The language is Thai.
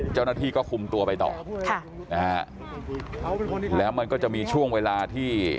เจ้าหน้าที่ก็คุมตัวไปต่อค่ะนะฮะแล้วมันก็จะมีช่วงเวลาที่